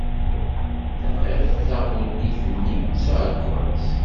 Tenɣid taɣulit-nni s uɛekkaz.